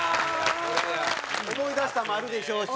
思い出したのもあるでしょうし。